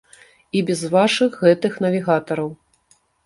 І без вашых гэтых навігатараў.